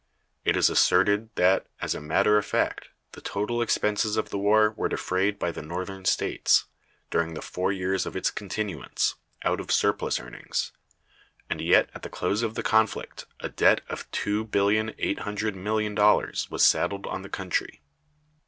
It is asserted that, as a matter of fact, the total expenses of the war were defrayed by the Northern States, during the four years of its continuance, out of surplus earnings; and yet at the close of the conflict a debt of $2,800,000,000 was saddled on the country.